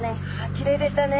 きれいでしたね。